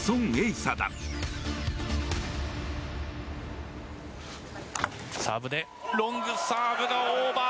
サーブでロングサーブがオーバー。